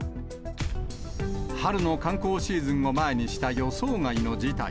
春の観光シーズンを前にした予想外の事態。